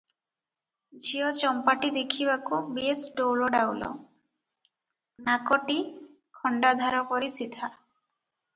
ଝିଅ ଚମ୍ପାଟି ଦେଖିବାକୁ ବେଶ ଡୌଲଡାଉଲ, ନାକଟି ଖଣ୍ଡାଧାର ପରି ସିଧା ।